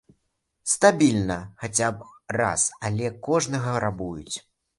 Стабільна хаця б раз, але кожнага рабуюць.